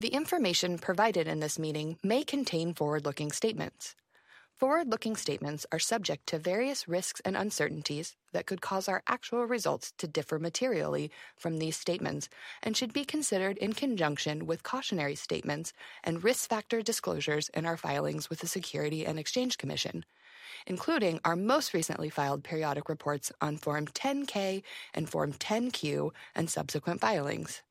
The information provided in this meeting may contain forward-looking statements. Forward-looking statements are subject to various risks and uncertainties that could cause our actual results to differ materially from these statements and should be considered in conjunction with cautionary statements and risk factor disclosures in our filings with the Securities and Exchange Commission, including our most recently filed periodic reports on Form 10-K and Form 10-Q and subsequent filings.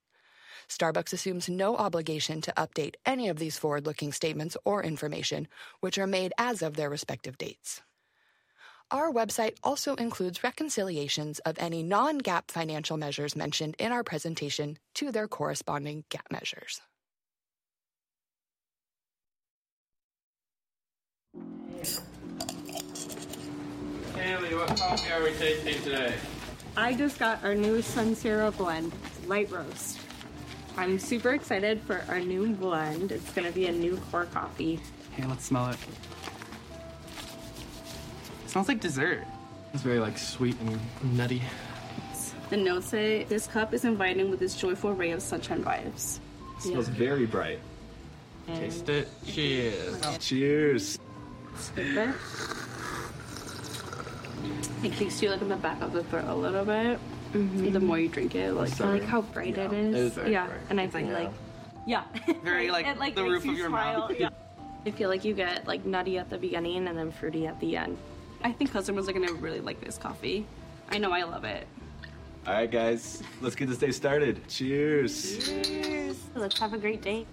Starbucks assumes no obligation to update any of these forward-looking statements or information which are made as of their respective dates. Our website also includes reconciliations of any non-GAAP financial measures mentioned in our presentation to their corresponding GAAP measures. Hey, how are you? What coffee are we tasting today? I just got our new Sunsera Blend, light roast. I'm super excited for our new blend. It's going to be a new core coffee. Hey, let's smell it. Smells like dessert. It's very, like, sweet and nutty. The notes say this cup is inviting with its joyful ray of sunshine vibes. It feels very bright. Taste it. Cheers. Cheers. Super. It keeps you, like, in the back of the throat a little bit the more you drink it. Like, how bright it is. Is it? Yeah, I feel like, yeah. Very, like, the roof of your mind. It's wild. Yeah. I feel like you get, like, nutty at the beginning and then fruity at the end. I think customers are going to really like this coffee. I know I love it. All right, guys. Let's get this day started. Cheers. Cheers. Let's have a great day.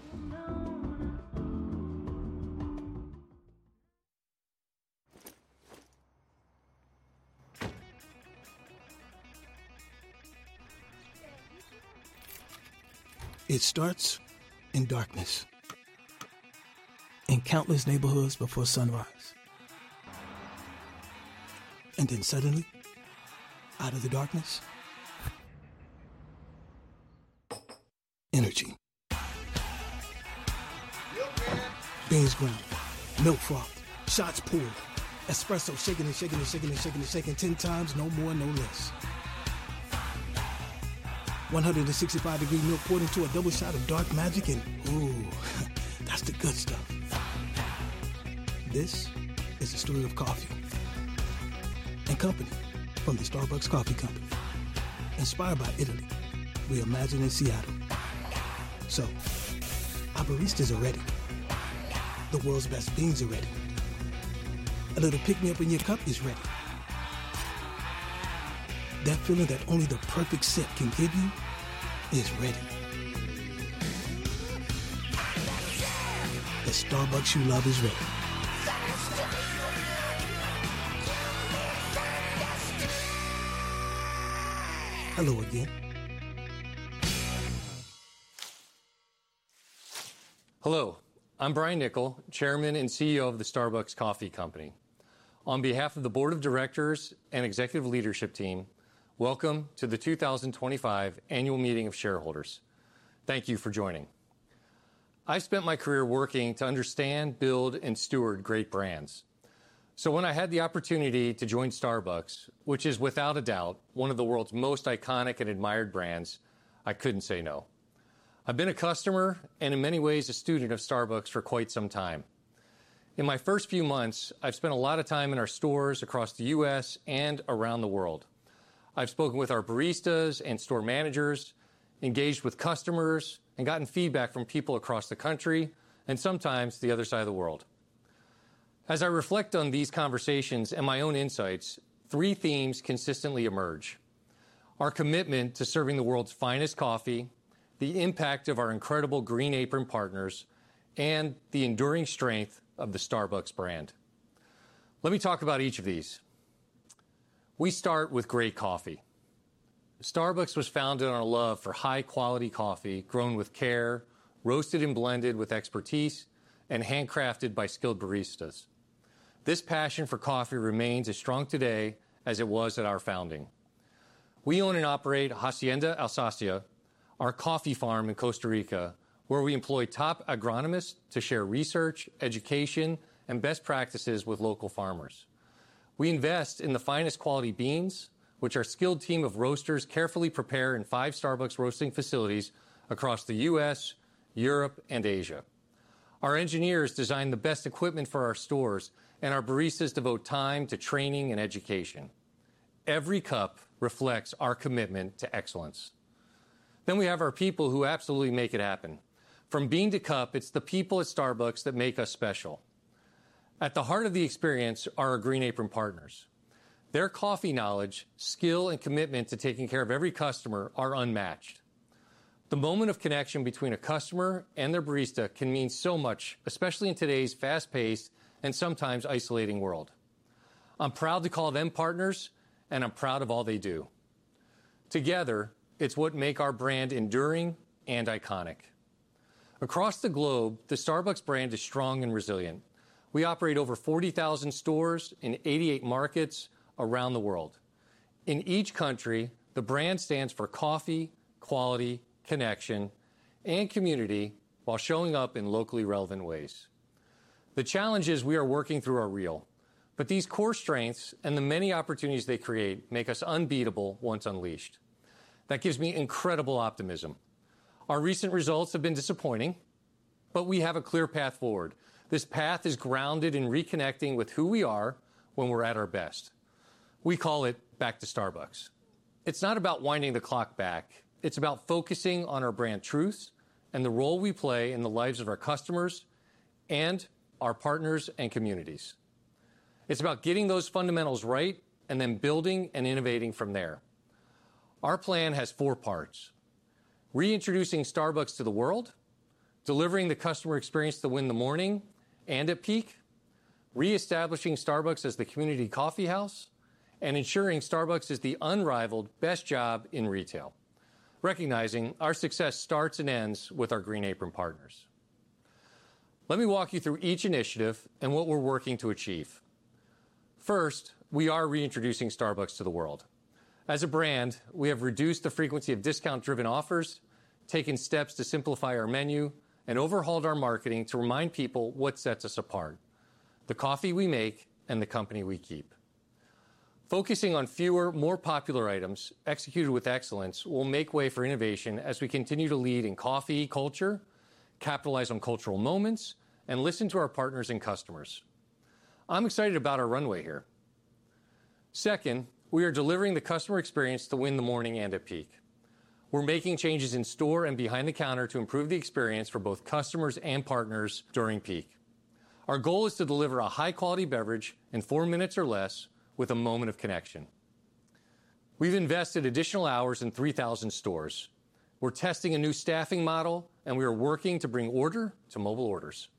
It starts in darkness, in countless neighborhoods before sunrise. Suddenly, out of the darkness, energy. Beans ground, milk frothed, shots poured, espresso shaken and shaken and shaken and shaken and shaken 10 times, no more, no less. 165-degree milk poured into a double shot of Dark Magic and, ooh, that's the good stuff. This is the story of coffee and company from the Starbucks Coffee Company. Inspired by Italy, we imagine in Seattle. Our barista's ready. The world's best beans are ready. A little pick-me-up in your cup is ready. That feeling that only the perfect set can give you is ready. The Starbucks you love is ready. Hello again. Hello. I'm Brian Niccol, Chairman and CEO of the Starbucks Coffee Company. On behalf of the Board of Directors and Executive Leadership Team, welcome to the 2025 Annual Meeting of Shareholders. Thank you for joining. I've spent my career working to understand, build, and steward great brands. When I had the opportunity to join Starbucks, which is, without a doubt, one of the world's most iconic and admired brands, I couldn't say no. I've been a customer and, in many ways, a student of Starbucks for quite some time. In my first few months, I've spent a lot of time in our stores across the U.S. and around the world. I've spoken with our baristas and store managers, engaged with customers, and gotten feedback from people across the country and sometimes the other side of the world. As I reflect on these conversations and my own insights, three themes consistently emerge: our commitment to serving the world's finest coffee, the impact of our incredible Green Apron partners, and the enduring strength of the Starbucks brand. Let me talk about each of these. We start with great coffee. Starbucks was founded on a love for high-quality coffee grown with care, roasted and blended with expertise, and handcrafted by skilled baristas. This passion for coffee remains as strong today as it was at our founding. We own and operate Hacienda Alsacia, our coffee farm in Costa Rica, where we employ top agronomists to share research, education, and best practices with local farmers. We invest in the finest quality beans, which our skilled team of roasters carefully prepare in five Starbucks roasting facilities across the U.S., Europe, and Asia. Our engineers design the best equipment for our stores, and our baristas devote time to training and education. Every cup reflects our commitment to excellence. We have our people who absolutely make it happen. From bean to cup, it's the people at Starbucks that make us special. At the heart of the experience are our Green Apron partners. Their coffee knowledge, skill, and commitment to taking care of every customer are unmatched. The moment of connection between a customer and their barista can mean so much, especially in today's fast-paced and sometimes isolating world. I'm proud to call them partners, and I'm proud of all they do. Together, it's what makes our brand enduring and iconic. Across the globe, the Starbucks brand is strong and resilient. We operate over 40,000 stores in 88 markets around the world. In each country, the brand stands for coffee, quality, connection, and community while showing up in locally relevant ways. The challenges we are working through are real, but these core strengths and the many opportunities they create make us unbeatable once unleashed. That gives me incredible optimism. Our recent results have been disappointing, but we have a clear path forward. This path is grounded in reconnecting with who we are when we're at our best. We call it Back to Starbucks. It's not about winding the clock back. It's about focusing on our brand truth and the role we play in the lives of our customers and our partners and communities. It's about getting those fundamentals right and then building and innovating from there. Our plan has four parts: reintroducing Starbucks to the world, delivering the customer experience to win the morning and at peak, reestablishing Starbucks as the community coffeehouse, and ensuring Starbucks is the unrivaled best job in retail, recognizing our success starts and ends with our Green Apron partners. Let me walk you through each initiative and what we're working to achieve. First, we are reintroducing Starbucks to the world. As a brand, we have reduced the frequency of discount-driven offers, taken steps to simplify our menu, and overhauled our marketing to remind people what sets us apart: the coffee we make and the company we keep. Focusing on fewer, more popular items executed with excellence will make way for innovation as we continue to lead in coffee culture, capitalize on cultural moments, and listen to our partners and customers. I'm excited about our runway here. Second, we are delivering the customer experience to win the morning and at peak. We're making changes in store and behind the counter to improve the experience for both customers and partners during peak. Our goal is to deliver a high-quality beverage in four minutes or less with a moment of connection. We've invested additional hours in 3,000 stores. We're testing a new staffing model, and we are working to bring order to mobile orders.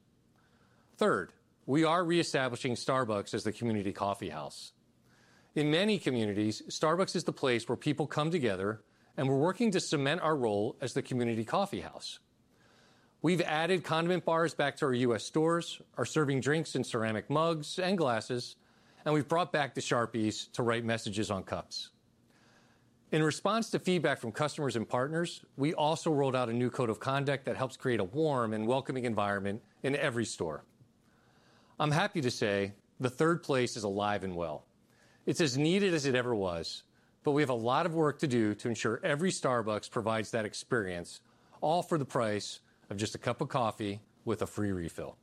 Third, we are reestablishing Starbucks as the community coffeehouse. In many communities, Starbucks is the place where people come together, and we're working to cement our role as the community coffeehouse. We've added condiment bars back to our U.S. stores, are serving drinks in ceramic mugs and glasses, and we've brought back the Sharpies to write messages on cups. In response to feedback from customers and partners, we also rolled out a new code of conduct that helps create a warm and welcoming environment in every store. I'm happy to say the Third Place is alive and well. It's as needed as it ever was, but we have a lot of work to do to ensure every Starbucks provides that experience, all for the price of just a cup of coffee with a free refill.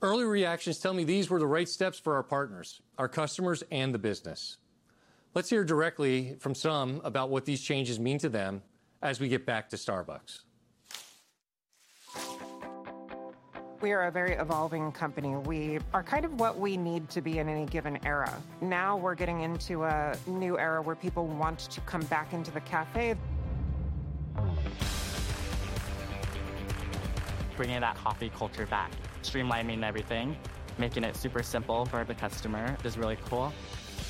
Early reactions tell me these were the right steps for our partners, our customers, and the business. Let's hear directly from some about what these changes mean to them as we get Back to Starbucks. We are a very evolving company. We are kind of what we need to be in any given era. Now we're getting into a new era where people want to come back into the café. Bringing that coffee culture back, streamlining everything, making it super simple for the customer is really cool.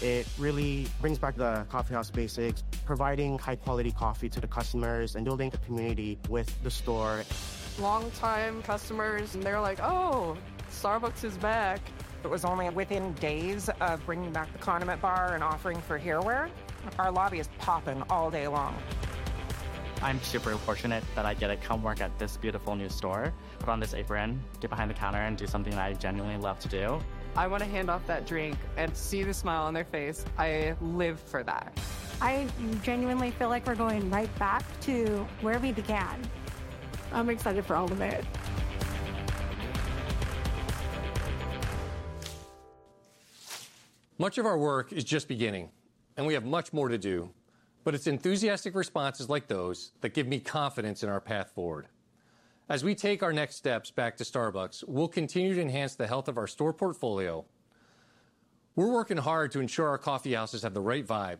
It really brings back the coffeehouse basics, providing high-quality coffee to the customers and building the community with the store. Long-time customers, they're like, "Oh, Starbucks is back." It was only within days of bringing back the condiment bar and offering for-here ware. Our lobby is popping all day long. I'm super fortunate that I get to come work at this beautiful new store, run this apron, get behind the counter, and do something that I genuinely love to do. I want to hand off that drink and see the smile on their face. I live for that. I genuinely feel like we're going right back to where we began. I'm excited for all of it. Much of our work is just beginning, and we have much more to do, but it's enthusiastic responses like those that give me confidence in our path forward. As we take our next steps Back to Starbucks, we'll continue to enhance the health of our store portfolio. We're working hard to ensure our coffeehouses have the right vibe.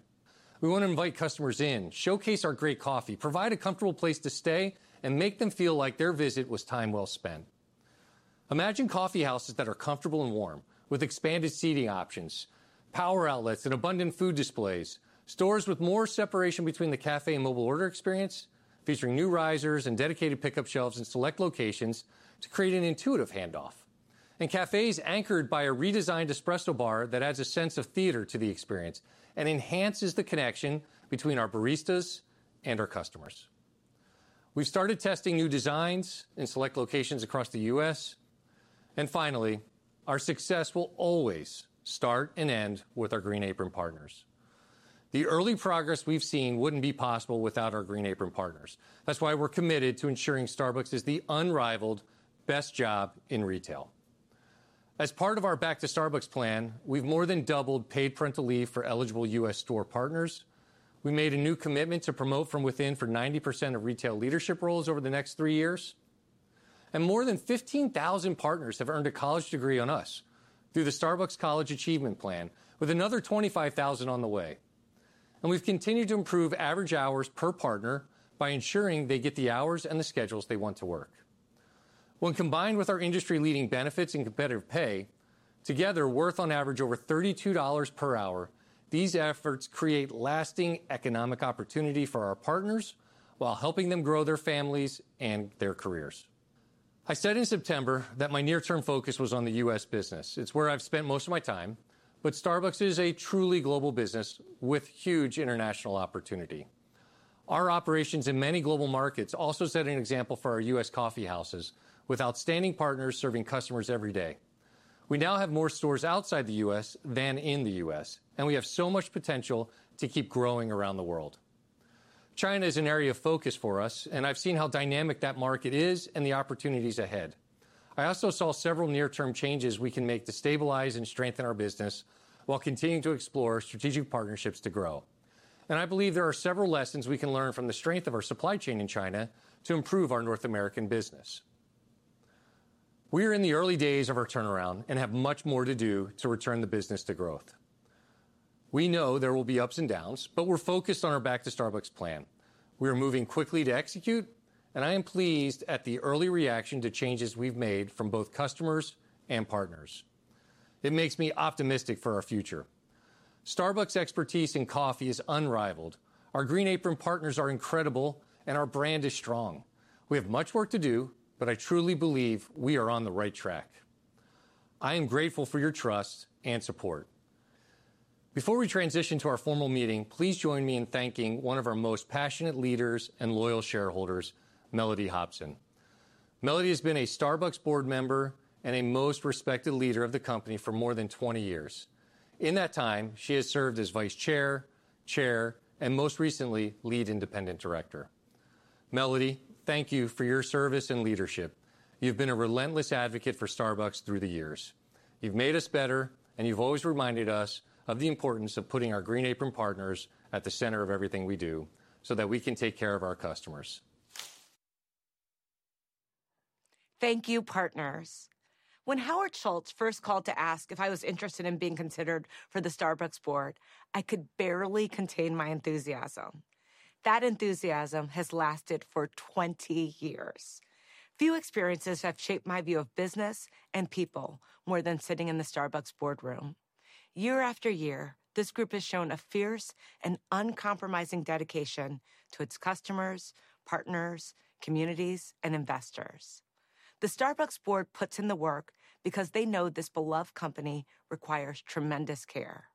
We want to invite customers in, showcase our great coffee, provide a comfortable place to stay, and make them feel like their visit was time well spent. Imagine coffeehouses that are comfortable and warm, with expanded seating options, power outlets, and abundant food displays, stores with more separation between the café and mobile order experience, featuring new risers and dedicated pickup shelves in select locations to create an intuitive handoff, and cafés anchored by a redesigned espresso bar that adds a sense of theater to the experience and enhances the connection between our baristas and our customers. We have started testing new designs in select locations across the U.S. Finally, our success will always start and end with our Green Apron partners. The early progress we have seen would not be possible without ourGreen Apron partners. That is why we are committed to ensuring Starbucks is the unrivaled best job in retail. As part of our Back to Starbucks plan, we have more than doubled paid parental leave for eligible U.S. store partners. We made a new commitment to promote from within for 90% of retail leadership roles over the next three years. More than 15,000 partners have earned a college degree on us through the Starbucks College Achievement Plan, with another 25,000 on the way. We have continued to improve average hours per partner by ensuring they get the hours and the schedules they want to work. When combined with our industry-leading benefits and competitive pay, together worth on average over $32 per hour, these efforts create lasting economic opportunity for our partners while helping them grow their families and their careers. I said in September that my near-term focus was on the U.S. business. It's where I've spent most of my time, but Starbucks is a truly global business with huge international opportunity. Our operations in many global markets also set an example for our U.S. coffeehouses with outstanding partners serving customers every day. We now have more stores outside the U.S. than in the U.S., and we have so much potential to keep growing around the world. China is an area of focus for us, and I've seen how dynamic that market is and the opportunities ahead. I also saw several near-term changes we can make to stabilize and strengthen our business while continuing to explore strategic partnerships to grow. I believe there are several lessons we can learn from the strength of our supply chain in China to improve our North American business. We are in the early days of our turnaround and have much more to do to return the business to growth. We know there will be ups and downs, but we're focused on our Back to Starbucks plan. We are moving quickly to execute, and I am pleased at the early reaction to changes we've made from both customers and partners. It makes me optimistic for our future. Starbucks' expertise in coffee is unrivaled. Our Green Apron partners are incredible, and our brand is strong. We have much work to do, but I truly believe we are on the right track. I am grateful for your trust and support. Before we transition to our formal meeting, please join me in thanking one of our most passionate leaders and loyal shareholders, Mellody Hobson. Mellody has been a Starbucks board member and a most respected leader of the company for more than 20 years. In that time, she has served as vice chair, chair, and most recently, lead independent director. Mellody, thank you for your service and leadership. You've been a relentless advocate for Starbucks through the years. You've made us better, and you've always reminded us of the importance of putting our Green Apron partners at the center of everything we do so that we can take care of our customers. Thank you, partners. When Howard Schultz first called to ask if I was interested in being considered for the Starbucks board, I could barely contain my enthusiasm. That enthusiasm has lasted for 20 years. Few experiences have shaped my view of business and people more than sitting in the Starbucks boardroom. Year after year, this group has shown a fierce and uncompromising dedication to its customers, partners, communities, and investors. The Starbucks board puts in the work because they know this beloved company requires tremendous care.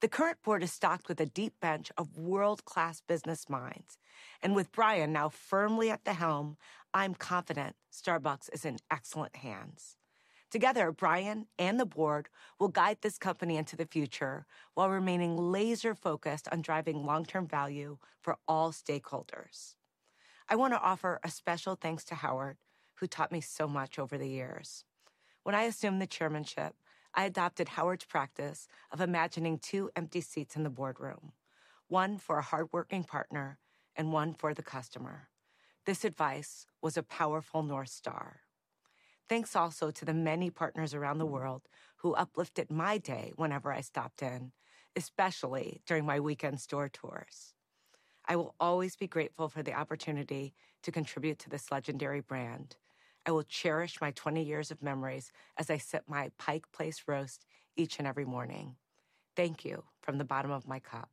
The current board is stocked with a deep bench of world-class business minds, and with Brian now firmly at the helm, I'm confident Starbucks is in excellent hands. Together, Brian and the board will guide this company into the future while remaining laser-focused on driving long-term value for all stakeholders. I want to offer a special thanks to Howard, who taught me so much over the years. When I assumed the chairmanship, I adopted Howard's practice of imagining two empty seats in the boardroom, one for a hardworking partner and one for the customer. This advice was a powerful North Star. Thanks also to the many partners around the world who uplifted my day whenever I stopped in, especially during my weekend store tours. I will always be grateful for the opportunity to contribute to this legendary brand. I will cherish my 20 years of memories as I sit at my Pike Place Roast each and every morning. Thank you from the bottom of my cup.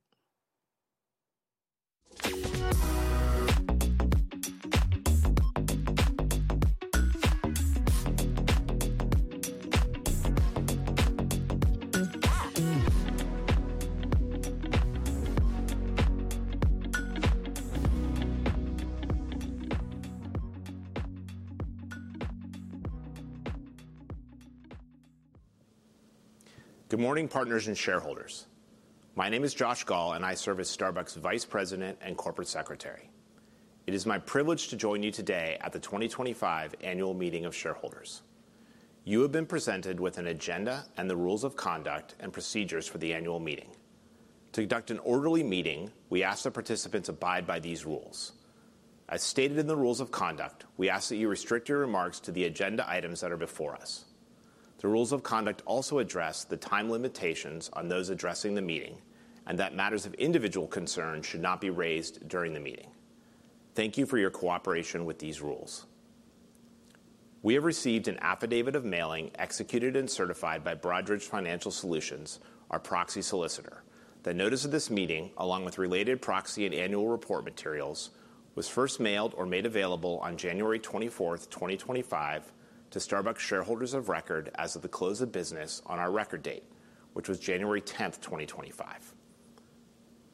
Good morning, partners and shareholders. My name is Josh Gaul, and I serve as Starbucks Vice President and Corporate Secretary. It is my privilege to join you today at the 2025 Annual Meeting of Shareholders. You have been presented with an agenda and the rules of conduct, and procedures for the annual meeting. To conduct an orderly meeting, we ask the participants to abide by these rules. As stated in the rules of conduct, we ask that you restrict your remarks to the agenda items that are before us. The rules of conduct also address the time limitations on those addressing the meeting and that matters of individual concern should not be raised during the meeting. Thank you for your cooperation with these rules. We have received an affidavit of mailing executed and certified by Broadridge Financial Solutions, our proxy solicitor. The notice of this meeting, along with related proxy and annual report materials, was first mailed or made available on January 24th, 2025, to Starbucks shareholders of record as of the close of business on our record date, which was January 10th, 2025.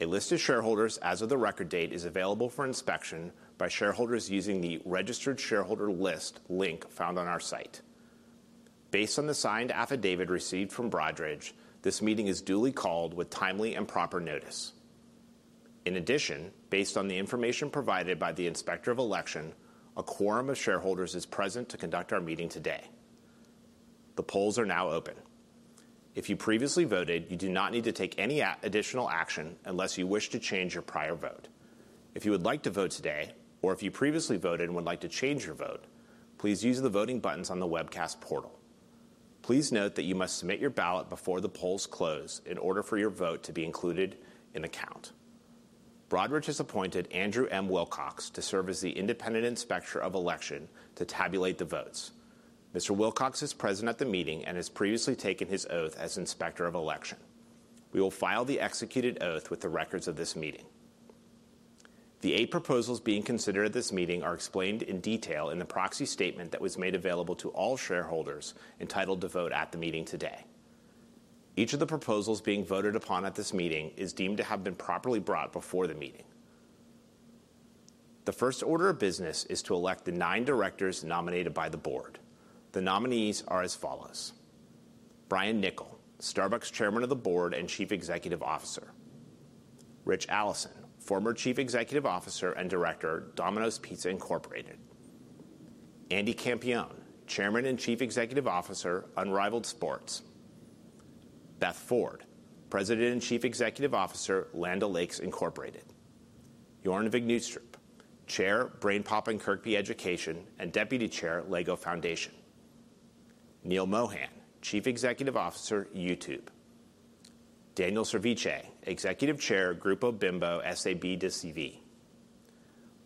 A list of shareholders as of the record date is available for inspection by shareholders using the Registered Shareholder List link found on our site. Based on the signed affidavit received from Broadridge, this meeting is duly called with timely and proper notice. In addition, based on the information provided by the inspector of election, a quorum of shareholders is present to conduct our meeting today. The polls are now open. If you previously voted, you do not need to take any additional action unless you wish to change your prior vote. If you would like to vote today, or if you previously voted and would like to change your vote, please use the voting buttons on the webcast portal. Please note that you must submit your ballot before the polls close in order for your vote to be included in account. Broadridge has appointed Andrew M. Wilcox to serve as the independent inspector of elections to tabulate the votes. Mr. Wilcox is present at the meeting and has previously taken his oath as inspector of elections. We will file the executed oath with the records of this meeting. The eight proposals being considered at this meeting are explained in detail in the proxy statement that was made available to all shareholders entitled to vote at the meeting today. Each of the proposals being voted upon at this meeting is deemed to have been properly brought before the meeting. The first order of business is to elect the nine directors nominated by the board. The nominees are as follows: Brian Niccol, Starbucks Chairman of the Board and Chief Executive Officer; Ritch Allison, former Chief Executive Officer and Director, Domino's Pizza Incorporated; Andy Campion, Chairman and Chief Executive Officer, Unrivaled Sports; Beth Ford, President and Chief Executive Officer, Land O'Lakes Incorporated; Daniel Servitje, Executive Chair, Grupo Bimbo, SAB de CV;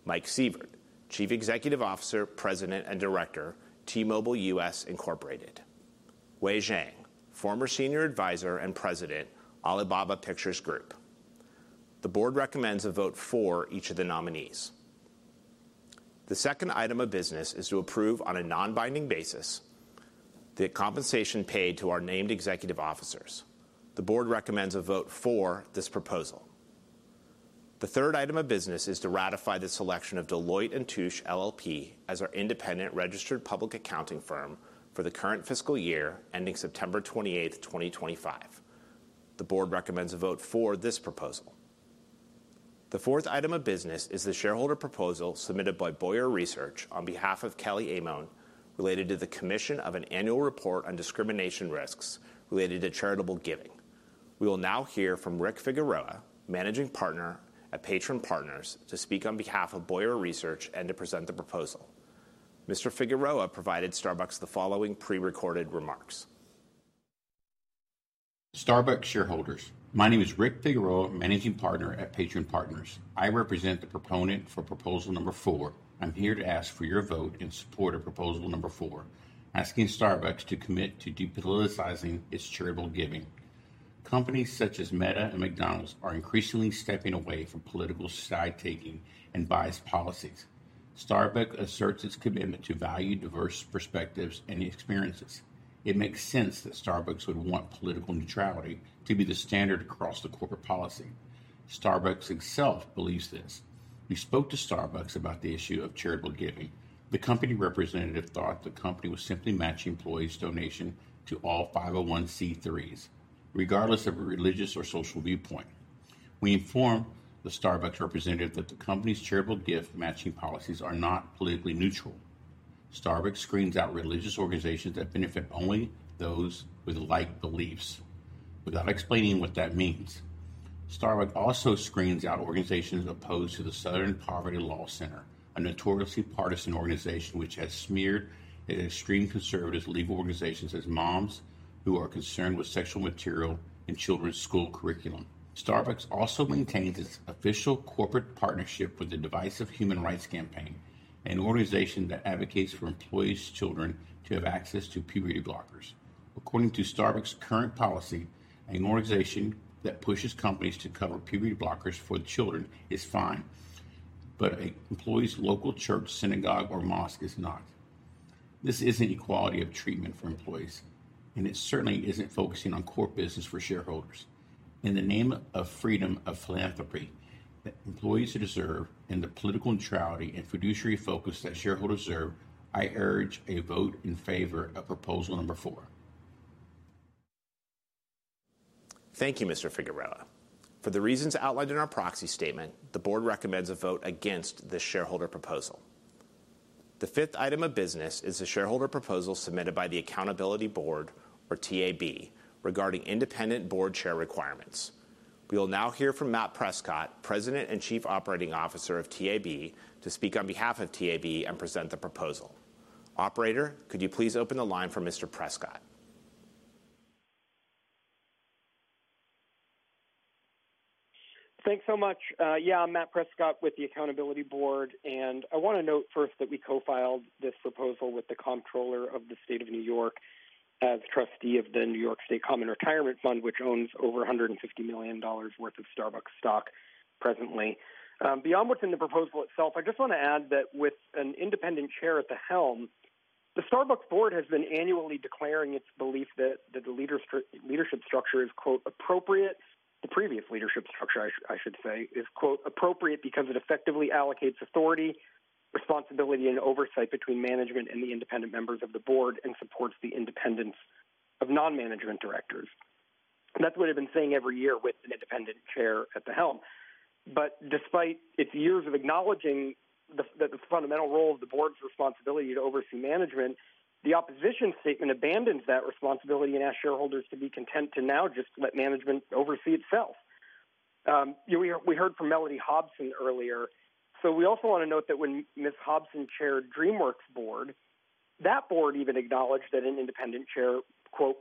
Mike Sievert, Chief Executive Officer, President and Director, T-Mobile US Incorporated; Wei Zhang, former Senior Advisor and President, Alibaba Pictures Group. The board recommends a vote for each of the nominees. The second item of business is to approve on a non-binding basis the compensation paid to our named executive officers. The board recommends a vote for this proposal. The third item of business is to ratify the selection of Deloitte & Touche LLP as our independent registered public accounting firm for the current fiscal year ending September 28, 2025. The board recommends a vote for this proposal. The fourth item of business is the shareholder proposal submitted by Bowyer Research on behalf of Kelli Amon related to the commission of an annual report on discrimination risks related to charitable giving. We will now hear from Rick Figueroa, Managing Partner at Patron Partners, to speak on behalf of Bowyer Research and to present the proposal. Mr. Figueroa provided Starbucks the following pre-recorded remarks. Starbucks shareholders, my name is Rick Figueroa, Managing Partner at Patron Partners. I represent the proponent for proposal number four. I'm here to ask for your vote in support of proposal number four, asking Starbucks to commit to depoliticizing its charitable giving. Companies such as Meta and McDonald's are increasingly stepping away from political side-taking and biased policies. Starbucks asserts its commitment to value diverse perspectives and experiences. It makes sense that Starbucks would want political neutrality to be the standard across the corporate policy. Starbucks itself believes this. We spoke to Starbucks about the issue of charitable giving. The company representative thought the company was simply matching employees' donations to all 501(c)(3)s, regardless of religious or social viewpoint. We informed the Starbucks representative that the company's charitable gift matching policies are not politically neutral. Starbucks screens out religious organizations that benefit only those with like beliefs. Without explaining what that means, Starbucks also screens out organizations opposed to the Southern Poverty Law Center, a notoriously partisan organization which has smeared and extreme conservative legal organizations as moms who are concerned with sexual material and children's school curriculum. Starbucks also maintains its official corporate partnership with the divisive Human Rights Campaign, an organization that advocates for employees' children to have access to puberty blockers. According to Starbucks' current policy, an organization that pushes companies to cover puberty blockers for the children is fine, but an employee's local church, synagogue, or mosque is not. This is an equality of treatment for employees, and it certainly isn't focusing on core business for shareholders. In the name of freedom of philanthropy, employees deserve the political neutrality and fiduciary focus that shareholders deserve. I urge a vote in favor of proposal number four. Thank you, Mr. Figueroa. For the reasons outlined in our proxy statement, the board recommends a vote against the shareholder proposal. The fifth item of business is the shareholder proposal submitted by the Accountability Board, or TAB, regarding independent board chair requirements. We will now hear from Matt Prescott, President and Chief Operating Officer of TAB, to speak on behalf of TAB and present the proposal. Operator, could you please open the line for Mr. Prescott? Thanks so much. Yeah, I'm Matt Prescott with the Accountability Board, and I want to note first that we co-filed this proposal with the Comptroller of the State of New York as trustee of the New York State Common Retirement Fund, which owns over $150 million worth of Starbucks stock presently. Beyond what's in the proposal itself, I just want to add that with an independent chair at the helm, the Starbucks board has been annually declaring its belief that the leadership structure is "appropriate." The previous leadership structure, I should say, is "appropriate" because it effectively allocates authority, responsibility, and oversight between management and the independent members of the board and supports the independence of non-management directors. That's what I've been saying every year with an independent chair at the helm. Despite its years of acknowledging the fundamental role of the board's responsibility to oversee management, the opposition statement abandons that responsibility and asks shareholders to be content to now just let management oversee itself. We heard from Mellody Hobson earlier. We also want to note that when Ms. Hobson chaired DreamWorks Board, that board even acknowledged that an independent chair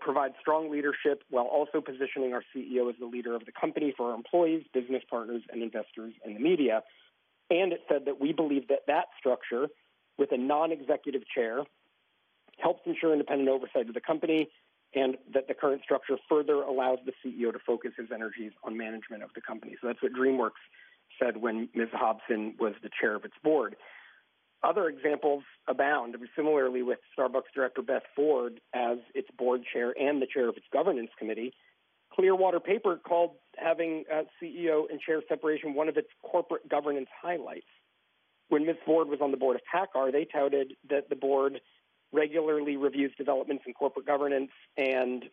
"provides strong leadership while also positioning our CEO as the leader of the company for our employees, business partners, and investors in the media." It said that we believe that that structure with a non-executive chair helps ensure independent oversight of the company and that the current structure further allows the CEO to focus his energies on management of the company. That is what DreamWorks said when Ms. Hobson was the chair of its board. Other examples abound. Similarly, with Starbucks Director Beth Ford as its board chair and the chair of its governance committee, Clearwater Paper called having CEO and chair separation one of its corporate governance highlights. When Ms. Ford was on the board of PACCAR, they touted that the board regularly reviews developments in corporate governance and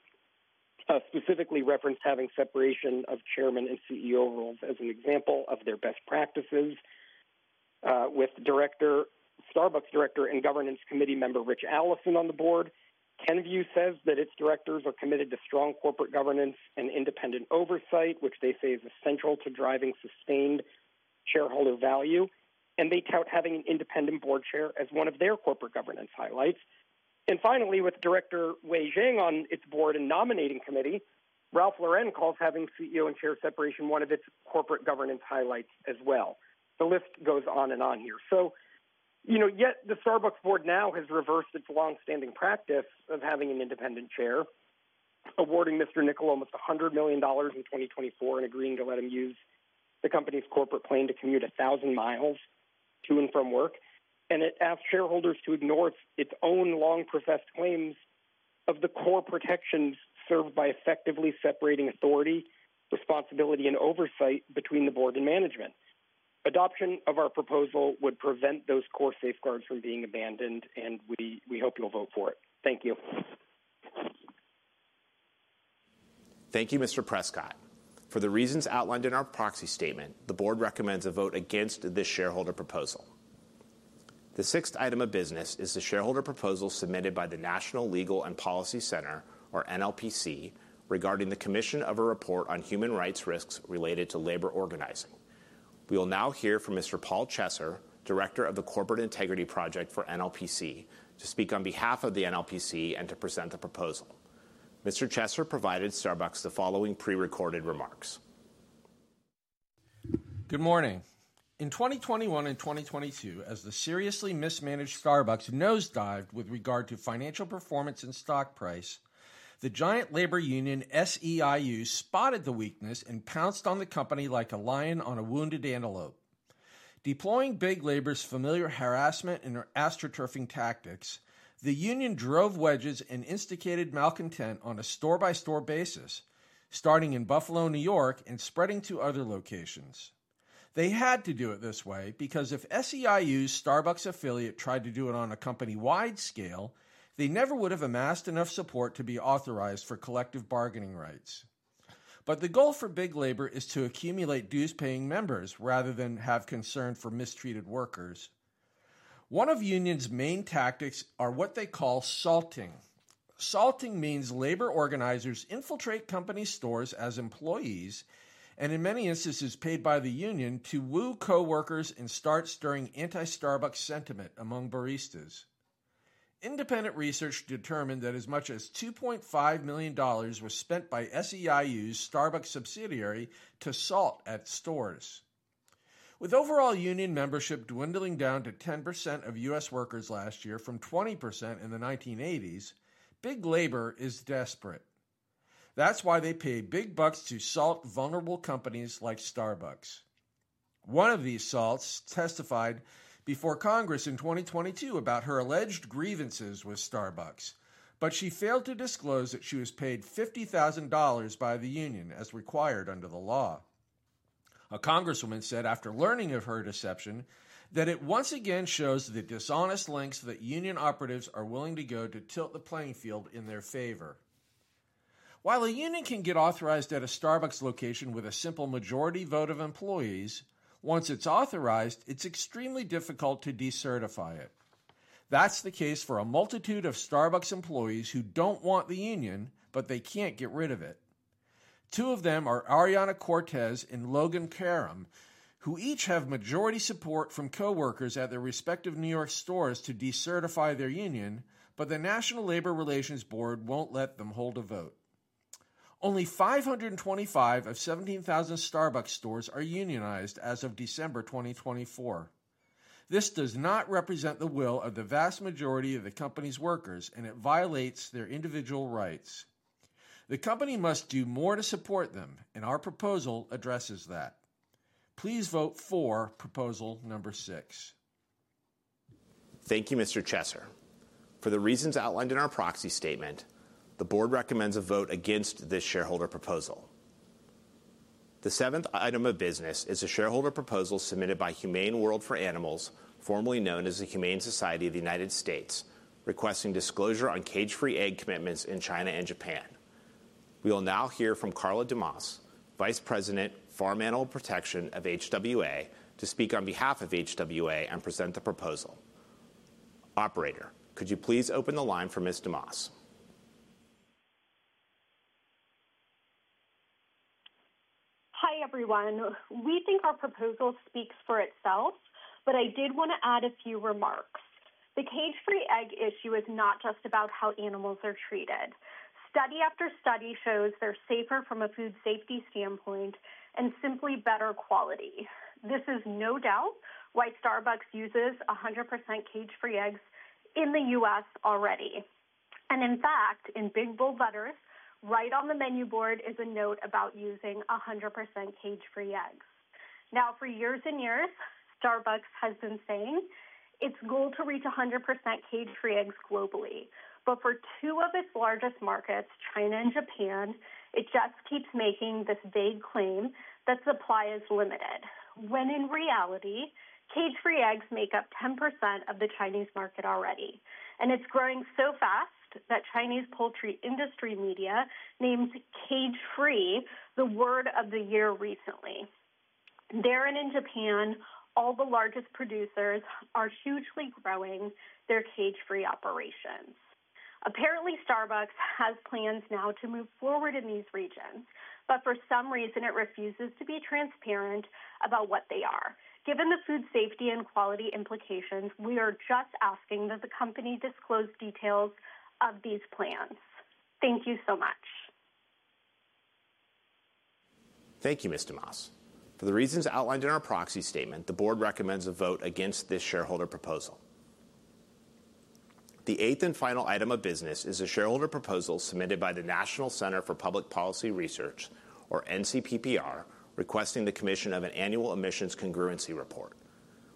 specifically referenced having separation of chairman and CEO roles as an example of their best practices. With Starbucks Director and Governance Committee member Ritch Allison on the board, Kenvue says that its directors are committed to strong corporate governance and independent oversight, which they say is essential to driving sustained shareholder value. They tout having an independent board chair as one of their corporate governance highlights. Finally, with Director Wei Zhang on its board and nominating committee, Ralph Lauren calls having CEO and chair separation one of its corporate governance highlights as well. The list goes on and on here. Yet the Starbucks board now has reversed its long-standing practice of having an independent chair, awarding Mr. Niccol almost $100 million in 2024 and agreeing to let him use the company's corporate plane to commute 1,000 miles to and from work. It asks shareholders to ignore its own long-professed claims of the core protections served by effectively separating authority, responsibility, and oversight between the board and management. Adoption of our proposal would prevent those core safeguards from being abandoned, and we hope you'll vote for it. Thank you. Thank you, Mr. Prescott. For the reasons outlined in our proxy statement, the board recommends a vote against this shareholder proposal. The sixth item of business is the shareholder proposal submitted by the National Legal and Policy Center, or NLPC, regarding the commission of a report on human rights risks related to labor organizing. We will now hear from Mr. Paul Chesser, Director of the Corporate Integrity Project for NLPC, to speak on behalf of the NLPC and to present the proposal. Mr. Chesser provided Starbucks the following pre-recorded remarks. Good morning. In 2021 and 2022, as the seriously mismanaged Starbucks nosedived with regard to financial performance and stock price, the giant labor union SEIU spotted the weakness and pounced on the company like a lion on a wounded antelope. Deploying big labor's familiar harassment and astroturfing tactics, the union drove wedges and instigated malcontent on a store-by-store basis, starting in Buffalo, New York, and spreading to other locations. They had to do it this way because if SEIU's Starbucks affiliate tried to do it on a company-wide scale, they never would have amassed enough support to be authorized for collective bargaining rights. The goal for big labor is to accumulate dues paying members rather than have concern for mistreated workers. One of union's main tactics is what they call salting. Salting means labor organizers infiltrate company stores as employees and, in many instances, paid by the union to woo coworkers and start stirring anti-Starbucks sentiment among baristas. Independent research determined that as much as $2.5 million was spent by SEIU's Starbucks subsidiary to salt at stores. With overall union membership dwindling down to 10% of U.S. workers last year from 20% in the 1980s, big labor is desperate. That is why they pay big bucks to salt vulnerable companies like Starbucks. One of these salts testified before Congress in 2022 about her alleged grievances with Starbucks, but she failed to disclose that she was paid $50,000 by the union as required under the law. A congresswoman said after learning of her deception that it once again shows the dishonest lengths that union operatives are willing to go to tilt the playing field in their favor. While a union can get authorized at a Starbucks location with a simple majority vote of employees, once it's authorized, it's extremely difficult to decertify it. That's the case for a multitude of Starbucks employees who don't want the union, but they can't get rid of it. Two of them are Ariana Cortes and Logan Karam, who each have majority support from coworkers at their respective New York stores to decertify their union, but the National Labor Relations Board won't let them hold a vote. Only 525 of 17,000 Starbucks stores are unionized as of December 2024. This does not represent the will of the vast majority of the company's workers, and it violates their individual rights. The company must do more to support them, and our proposal addresses that. Please vote for proposal number 6. Thank you, Mr. Chesser. For the reasons outlined in our proxy statement, the board recommends a vote against this shareholder proposal. The seventh item of business is a shareholder proposal submitted by Humane World for Animals, formerly known as the Humane Society of the United States, requesting disclosure on cage-free egg commitments in China and Japan. We will now hear from Karla Dumas, Vice President, Farm Animal Protection of HWA, to speak on behalf of HWA and present the proposal. Operator, could you please open the line for Ms. Dumas? Hi everyone. We think our proposal speaks for itself, but I did want to add a few remarks. The cage-free egg issue is not just about how animals are treated. Study after study shows they're safer from a food safety standpoint and simply better quality. This is no doubt why Starbucks uses 100% cage-free eggs in the U.S. already. In fact, in big bold letters, right on the menu board is a note about using 100% cage-free eggs. For years and years, Starbucks has been saying its goal to reach 100% cage-free eggs globally. For two of its largest markets, China and Japan, it just keeps making this vague claim that supply is limited, when in reality, cage-free eggs make up 10% of the Chinese market already. It's growing so fast that Chinese poultry industry media named cage-free the word of the year recently. There and in Japan, all the largest producers are hugely growing their cage-free operations. Apparently, Starbucks has plans now to move forward in these regions, but for some reason, it refuses to be transparent about what they are. Given the food safety and quality implications, we are just asking that the company disclose details of these plans. Thank you so much. Thank you, Ms. Dumas. For the reasons outlined in our proxy statement, the board recommends a vote against this shareholder proposal. The eighth and final item of business is a shareholder proposal submitted by the National Center for Public Policy Research, or NCPPR, requesting the commission of an annual emissions congruency report.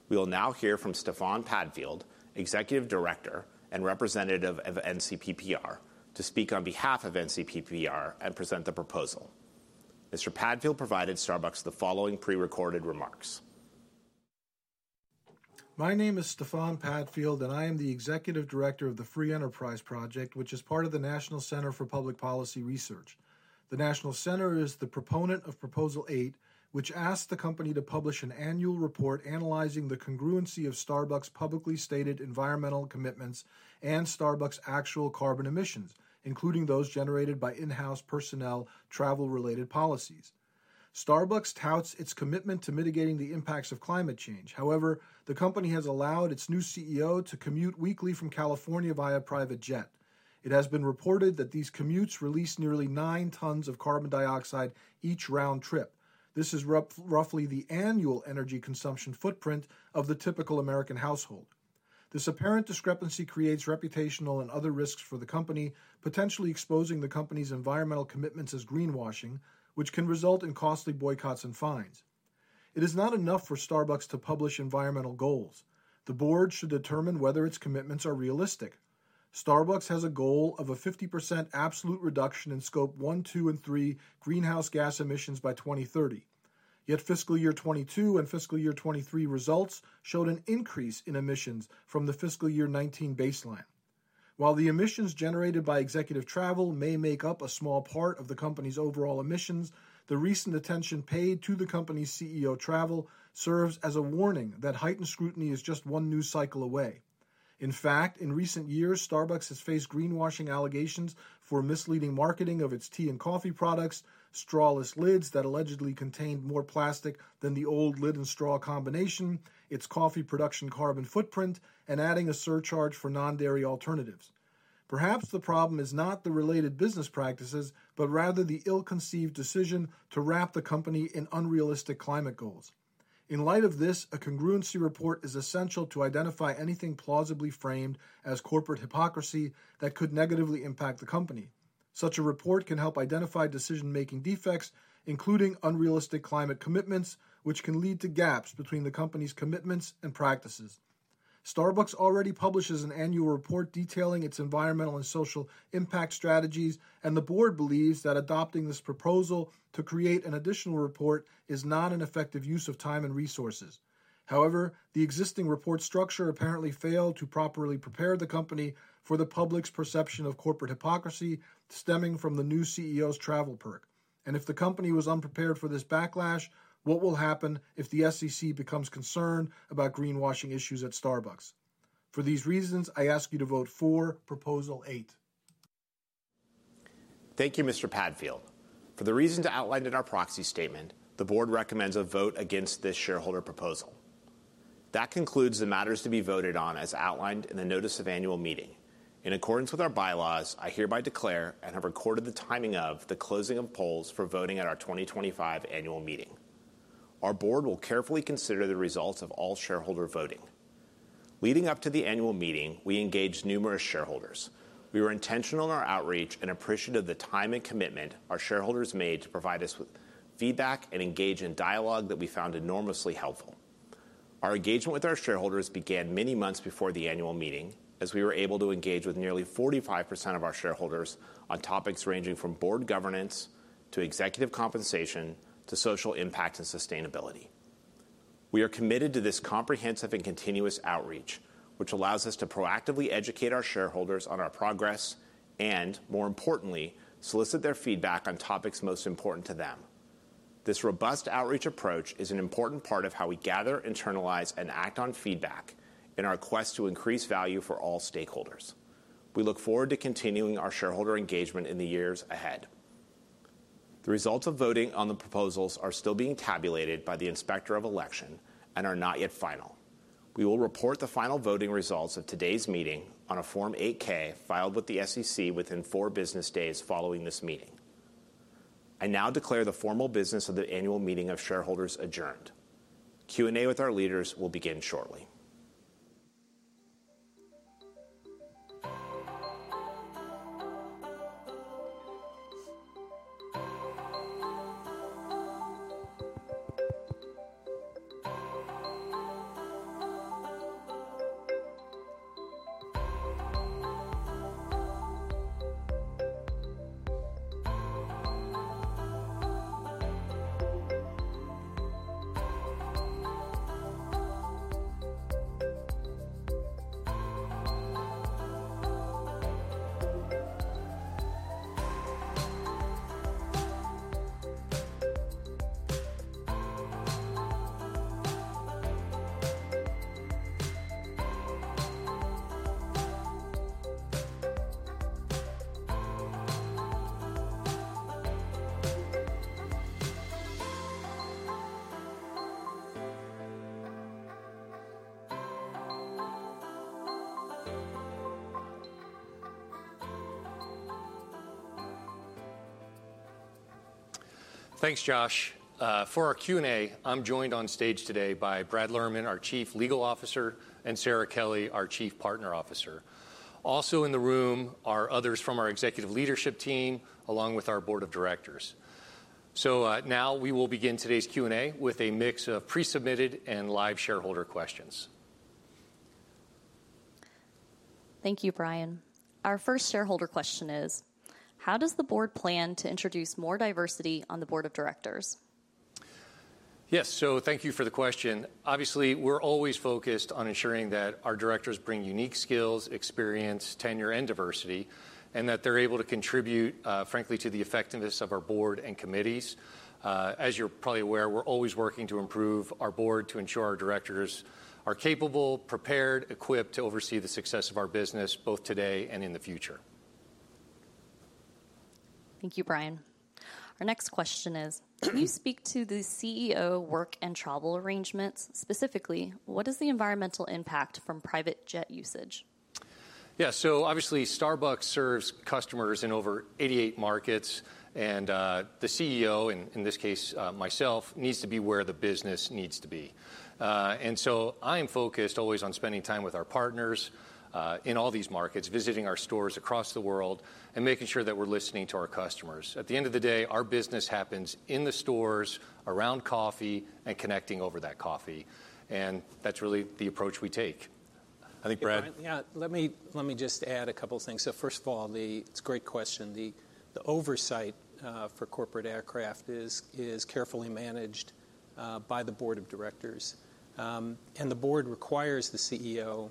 We will now hear from Stefan Padfield, Executive Director and Representative of NCPPR, to speak on behalf of NCPPR and present the proposal. Mr. Padfield provided Starbucks the following pre-recorded remarks. My name is Stefan Padfield, and I am the Executive Director of the Free Enterprise Project, which is part of the National Center for Public Policy Research. The National Center is the proponent of proposal eight, which asks the company to publish an annual report analyzing the congruency of Starbucks' publicly stated environmental commitments and Starbucks' actual carbon emissions, including those generated by in-house personnel travel-related policies. Starbucks touts its commitment to mitigating the impacts of climate change. However, the company has allowed its new CEO to commute weekly from California via a private jet. It has been reported that these commutes release nearly nine tons of carbon dioxide each round trip. This is roughly the annual energy consumption footprint of the typical American household. This apparent discrepancy creates reputational and other risks for the company, potentially exposing the company's environmental commitments as greenwashing, which can result in costly boycotts and fines. It is not enough for Starbucks to publish environmental goals. The board should determine whether its commitments are realistic. Starbucks has a goal of a 50% absolute reduction in scope one, two, and three greenhouse gas emissions by 2030. Yet fiscal year 2022 and fiscal year 2023 results showed an increase in emissions from the fiscal year 2019 baseline. While the emissions generated by executive travel may make up a small part of the company's overall emissions, the recent attention paid to the company's CEO travel serves as a warning that heightened scrutiny is just one news cycle away. In fact, in recent years, Starbucks has faced greenwashing allegations for misleading marketing of its tea and coffee products, strawless lids that allegedly contained more plastic than the old lid and straw combination, its coffee production carbon footprint, and adding a surcharge for non-dairy alternatives. Perhaps the problem is not the related business practices, but rather the ill-conceived decision to wrap the company in unrealistic climate goals. In light of this, a congruency report is essential to identify anything plausibly framed as corporate hypocrisy that could negatively impact the company. Such a report can help identify decision-making defects, including unrealistic climate commitments, which can lead to gaps between the company's commitments and practices. Starbucks already publishes an annual report detailing its environmental and social impact strategies, and the board believes that adopting this proposal to create an additional report is not an effective use of time and resources. However, the existing report structure apparently failed to properly prepare the company for the public's perception of corporate hypocrisy stemming from the new CEO's travel perk. If the company was unprepared for this backlash, what will happen if the SEC becomes concerned about greenwashing issues at Starbucks? For these reasons, I ask you to vote for proposal eight. Thank you, Mr. Padfield. For the reasons outlined in our proxy statement, the board recommends a vote against this shareholder proposal. That concludes the matters to be voted on as outlined in the notice of annual meeting. In accordance with our bylaws, I hereby declare and have recorded the timing of the closing of polls for voting at our 2025 annual meeting. Our board will carefully consider the results of all shareholder voting. Leading up to the annual meeting, we engaged numerous shareholders. We were intentional in our outreach and appreciative of the time and commitment our shareholders made to provide us with feedback and engage in dialogue that we found enormously helpful. Our engagement with our shareholders began many months before the annual meeting, as we were able to engage with nearly 45% of our shareholders on topics ranging from board governance to executive compensation to social impact and sustainability. We are committed to this comprehensive and continuous outreach, which allows us to proactively educate our shareholders on our progress and, more importantly, solicit their feedback on topics most important to them. This robust outreach approach is an important part of how we gather, internalize, and act on feedback in our quest to increase value for all stakeholders. We look forward to continuing our shareholder engagement in the years ahead. The results of voting on the proposals are still being tabulated by the Inspector of Election and are not yet final. We will report the final voting results of today's meeting on a Form 8-K filed with the SEC within four business days following this meeting. I now declare the formal business of the Annual Meeting of Shareholders adjourned. Q&A with our leaders will begin shortly. Thanks, Josh. For our Q&A, I'm joined on stage today by Brad Lerman, our Chief Legal Officer, and Sara Kelly, our Chief Partner Officer. Also in the room are others from our executive leadership team, along with our board of directors. We will begin today's Q&A with a mix of pre-submitted and live shareholder questions. Thank you, Brian. Our first shareholder question is, how does the board plan to introduce more diversity on the board of directors? Yes, so thank you for the question. Obviously, we're always focused on ensuring that our directors bring unique skills, experience, tenure, and diversity, and that they're able to contribute, frankly, to the effectiveness of our board and committees. As you're probably aware, we're always working to improve our board to ensure our directors are capable, prepared, equipped to oversee the success of our business both today and in the future. Thank you, Brian. Our next question is, can you speak to the CEO work and travel arrangements? Specifically, what is the environmental impact from private jet usage? Yeah, so obviously, Starbucks serves customers in over 88 markets, and the CEO, in this case, myself, needs to be where the business needs to be. I am focused always on spending time with our partners in all these markets, visiting our stores across the world, and making sure that we're listening to our customers. At the end of the day, our business happens in the stores, around coffee, and connecting over that coffee. That's really the approach we take. I think, Brad? Yeah, let me just add a couple of things. First of all, it's a great question. The oversight for corporate aircraft is carefully managed by the board of directors. The board requires the CEO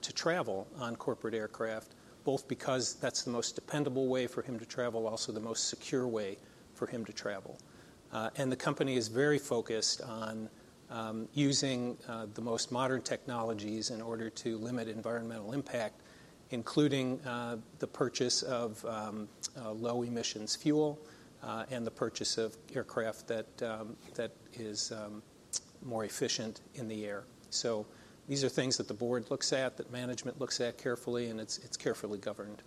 to travel on corporate aircraft, both because that's the most dependable way for him to travel, also the most secure way for him to travel. The company is very focused on using the most modern technologies in order to limit environmental impact, including the purchase of low-emissions fuel and the purchase of aircraft that is more efficient in the air. These are things that the board looks at, that management looks at carefully, and it's carefully governed.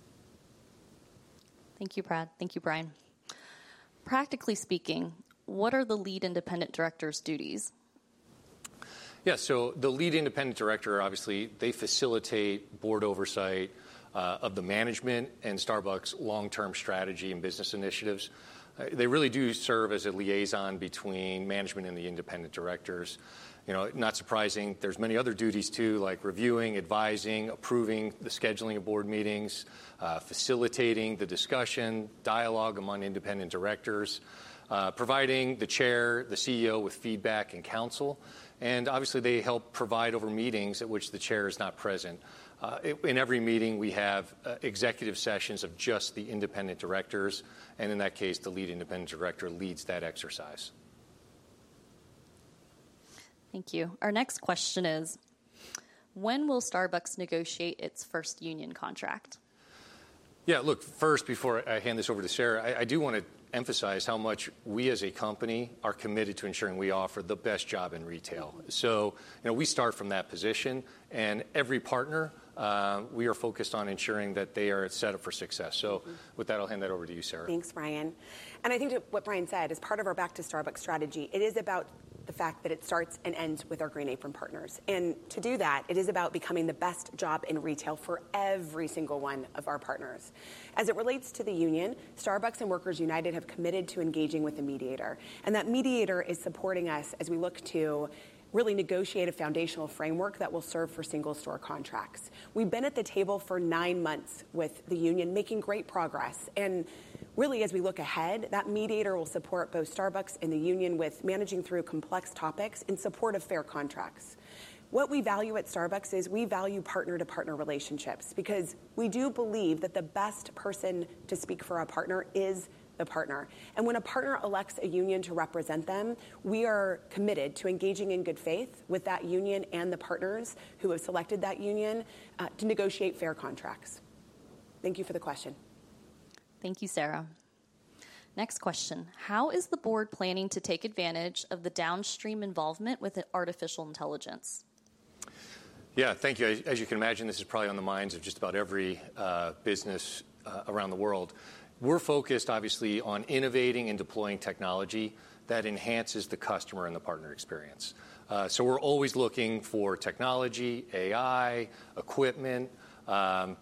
Thank you, Brad. Thank you, Brian. Practically speaking, what are the lead independent director's duties? Yeah, so the lead independent director, obviously, they facilitate board oversight of the management and Starbucks' long-term strategy and business initiatives. They really do serve as a liaison between management and the independent directors. Not surprising, there's many other duties too, like reviewing, advising, approving the scheduling of board meetings, facilitating the discussion, dialogue among independent directors, providing the chair, the CEO, with feedback and counsel. Obviously, they help provide over meetings at which the chair is not present. In every meeting, we have executive sessions of just the independent directors, and in that case, the lead independent director leads that exercise. Thank you. Our next question is, when will Starbucks negotiate its first union contract? Yeah, look, first, before I hand this over to Sara, I do want to emphasize how much we as a company are committed to ensuring we offer the best job in retail. We start from that position, and every partner, we are focused on ensuring that they are set up for success. With that, I'll hand that over to you, Sara. Thanks, Brian. I think what Brian said is part of our Back to Starbucks strategy. It is about the fact that it starts and ends with our Green Apron partners. To do that, it is about becoming the best job in retail for every single one of our partners. As it relates to the union, Starbucks and Workers United have committed to engaging with a mediator. That mediator is supporting us as we look to really negotiate a foundational framework that will serve for single-store contracts. We've been at the table for nine months with the union, making great progress. As we look ahead, that mediator will support both Starbucks and the union with managing through complex topics in support of fair contracts. What we value at Starbucks is we value partner-to-partner relationships because we do believe that the best person to speak for our partner is the partner. When a partner elects a union to represent them, we are committed to engaging in good faith with that union and the partners who have selected that union to negotiate fair contracts. Thank you for the question. Thank you, Sara. Next question, how is the board planning to take advantage of the downstream involvement with artificial intelligence? Yeah, thank you. As you can imagine, this is probably on the minds of just about every business around the world. We're focused, obviously, on innovating and deploying technology that enhances the customer and the partner experience. We're always looking for technology, AI, equipment,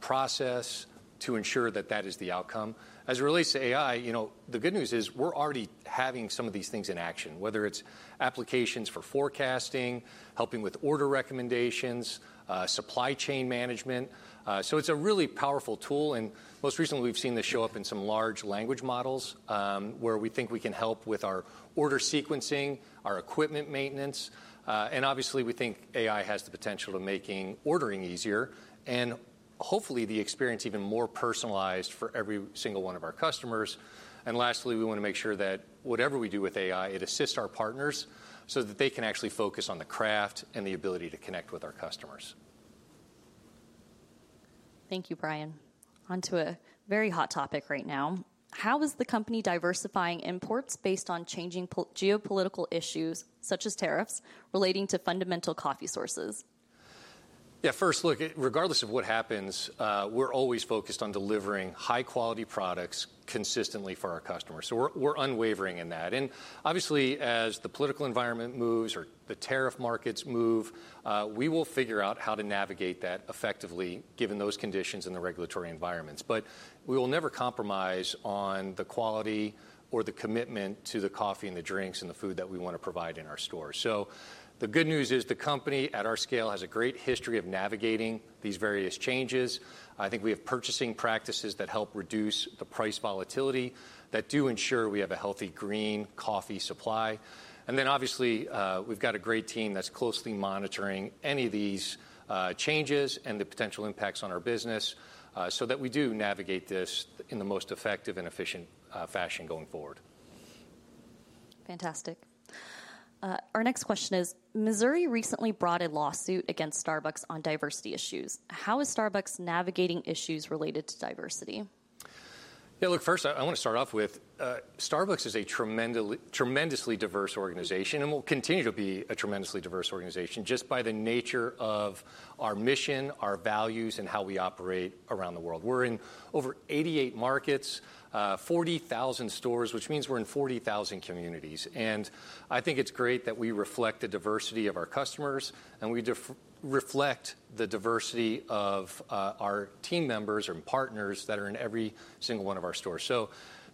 process to ensure that that is the outcome. As it relates to AI, the good news is we're already having some of these things in action, whether it's applications for forecasting, helping with order recommendations, supply chain management. It's a really powerful tool. Most recently, we've seen this show up in some large language models where we think we can help with our order sequencing, our equipment maintenance. Obviously, we think AI has the potential of making ordering easier and hopefully the experience even more personalized for every single one of our customers. Lastly, we want to make sure that whatever we do with AI, it assists our partners so that they can actually focus on the craft and the ability to connect with our customers. Thank you, Brian. Onto a very hot topic right now. How is the company diversifying imports based on changing geopolitical issues such as tariffs relating to fundamental coffee sources? Yeah, first, look, regardless of what happens, we're always focused on delivering high-quality products consistently for our customers. We're unwavering in that. Obviously, as the political environment moves or the tariff markets move, we will figure out how to navigate that effectively given those conditions and the regulatory environments. We will never compromise on the quality or the commitment to the coffee and the drinks and the food that we want to provide in our stores. The good news is the company at our scale has a great history of navigating these various changes. I think we have purchasing practices that help reduce the price volatility that do ensure we have a healthy green coffee supply. We have a great team that's closely monitoring any of these changes and the potential impacts on our business so that we do navigate this in the most effective and efficient fashion going forward. Fantastic. Our next question is, Missouri recently brought a lawsuit against Starbucks on diversity issues. How is Starbucks navigating issues related to diversity? Yeah, look, first, I want to start off with Starbucks is a tremendously diverse organization and will continue to be a tremendously diverse organization just by the nature of our mission, our values, and how we operate around the world. We're in over 88 markets, 40,000 stores, which means we're in 40,000 communities. I think it's great that we reflect the diversity of our customers and we reflect the diversity of our team members and partners that are in every single one of our stores.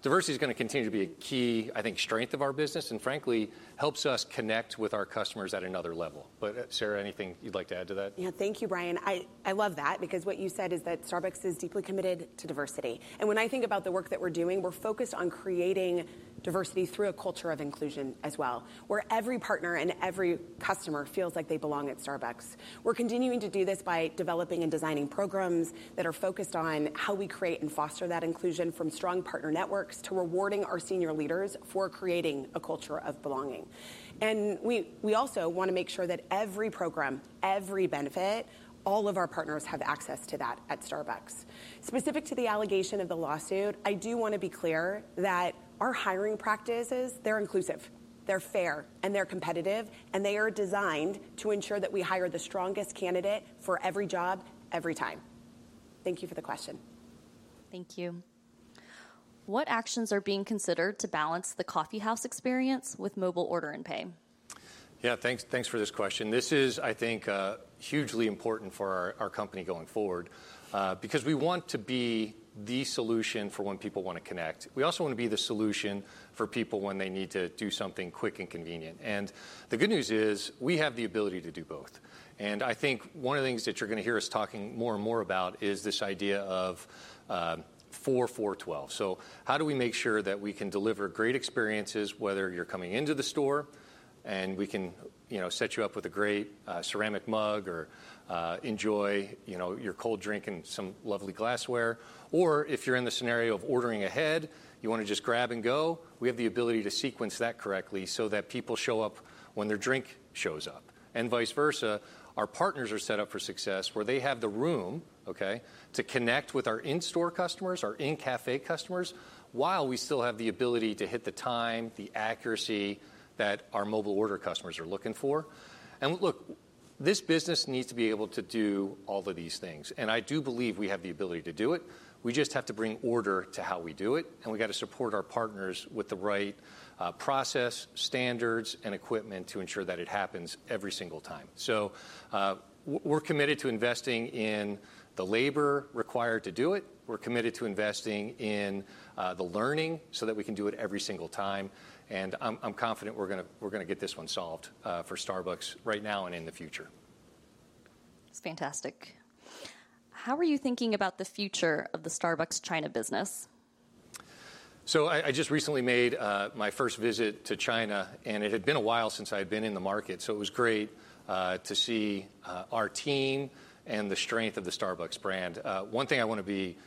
Diversity is going to continue to be a key, I think, strength of our business and frankly, helps us connect with our customers at another level. Sara, anything you'd like to add to that? Yeah, thank you, Brian. I love that because what you said is that Starbucks is deeply committed to diversity. When I think about the work that we're doing, we're focused on creating diversity through a culture of inclusion as well, where every partner and every customer feels like they belong at Starbucks. We're continuing to do this by developing and designing programs that are focused on how we create and foster that inclusion from strong partner networks to rewarding our senior leaders for creating a culture of belonging. We also want to make sure that every program, every benefit, all of our partners have access to that at Starbucks. Specific to the allegation of the lawsuit, I do want to be clear that our hiring practices, they're inclusive, they're fair, and they're competitive, and they are designed to ensure that we hire the strongest candidate for every job, every time. Thank you for the question. Thank you. What actions are being considered to balance the coffeehouse experience with Mobile Order & Pay? Yeah, thanks for this question. This is, I think, hugely important for our company going forward because we want to be the solution for when people want to connect. We also want to be the solution for people when they need to do something quick and convenient. The good news is we have the ability to do both. I think one of the things that you're going to hear us talking more and more about is this idea of 4-4-12. How do we make sure that we can deliver great experiences, whether you're coming into the store and we can set you up with a great ceramic mug or enjoy your cold drink and some lovely glassware, or if you're in the scenario of ordering ahead, you want to just grab and go, we have the ability to sequence that correctly so that people show up when their drink shows up. Vice versa, our partners are set up for success where they have the room to connect with our in-store customers, our in-cafe customers, while we still have the ability to hit the time, the accuracy that our mobile order customers are looking for. Look, this business needs to be able to do all of these things. I do believe we have the ability to do it. We just have to bring order to how we do it. We got to support our partners with the right process, standards, and equipment to ensure that it happens every single time. We are committed to investing in the labor required to do it. We are committed to investing in the learning so that we can do it every single time. I am confident we are going to get this one solved for Starbucks right now and in the future. That's fantastic. How are you thinking about the future of the Starbucks China business? I just recently made my first visit to China, and it had been a while since I had been in the market. It was great to see our team and the strength of the Starbucks brand. One thing I want to be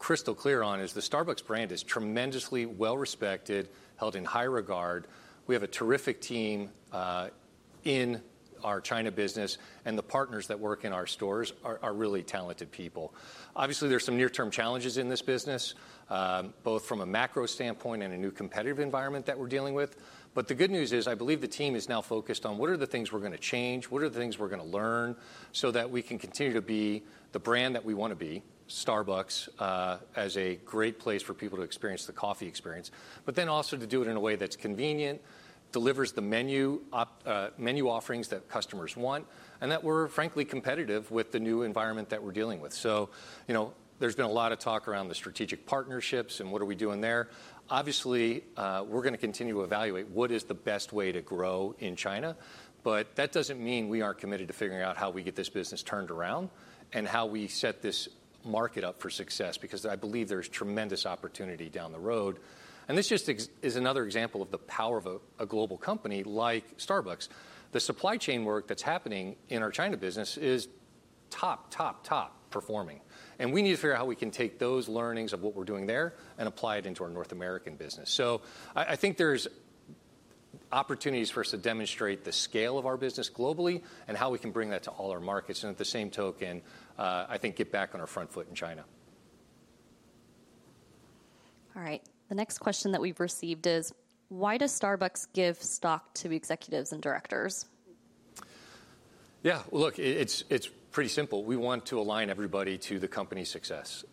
crystal clear on is the Starbucks brand is tremendously well-respected, held in high regard. We have a terrific team in our China business, and the partners that work in our stores are really talented people. Obviously, there are some near-term challenges in this business, both from a macro standpoint and a new competitive environment that we're dealing with. The good news is I believe the team is now focused on what are the things we're going to change, what are the things we're going to learn so that we can continue to be the brand that we want to be, Starbucks as a great place for people to experience the coffee experience, but then also to do it in a way that's convenient, delivers the menu offerings that customers want, and that we're frankly competitive with the new environment that we're dealing with. There's been a lot of talk around the strategic partnerships and what are we doing there. Obviously, we're going to continue to evaluate what is the best way to grow in China. That does not mean we are not committed to figuring out how we get this business turned around and how we set this market up for success because I believe there is tremendous opportunity down the road. This just is another example of the power of a global company like Starbucks. The supply chain work that is happening in our China business is top, top, top performing. We need to figure out how we can take those learnings of what we are doing there and apply it into our North American business. I think there are opportunities for us to demonstrate the scale of our business globally and how we can bring that to all our markets. At the same token, I think get back on our front foot in China. All right. The next question that we've received is, why does Starbucks give stock to executives and directors? Yeah, look, it's pretty simple. We want to align everybody to the company's success.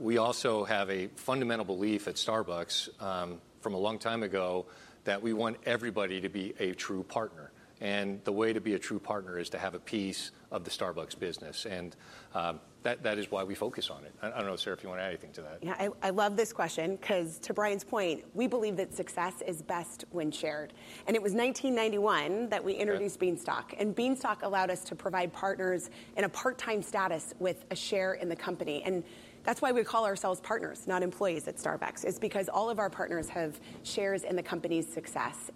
We also have a fundamental belief at Starbucks from a long time ago that we want everybody to be a true partner. The way to be a true partner is to have a piece of the Starbucks business. That is why we focus on it. I don't know, Sara, if you want to add anything to that. Yeah, I love this question because to Brian's point, we believe that success is best when shared. It was 1991 that we introduced Bean Stock. Bean Stock allowed us to provide partners in a part-time status with a share in the company. That is why we call ourselves partners, not employees at Starbucks. It is because all of our partners have shares in the company's success.